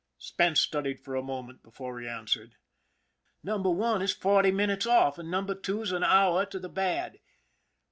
Spence studied for a moment before he answered: " Number One is forty minutes off, and Number Two's an hour to the bad."